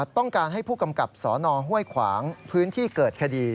ต้องการให้ผู้กำกับสนห้วยขวางพื้นที่เกิดคดี